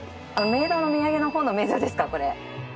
冥土の土産のほうの冥土ですかこれ。